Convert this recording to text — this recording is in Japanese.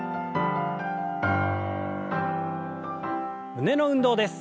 胸の運動です。